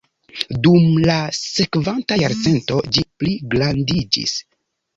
Dum la sekvanta jarcento ĝi pligrandiĝis.